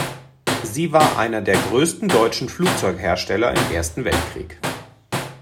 Sie war einer der größten deutschen Flugzeughersteller im Ersten Weltkrieg.